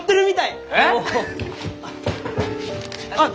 あっ！